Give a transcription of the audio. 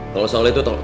kalau soal itu tolong